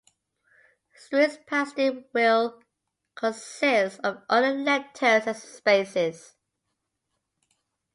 Strings passed in will consist of only letters and spaces.